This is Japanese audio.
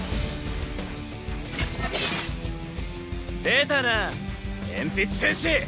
出たな鉛筆戦士！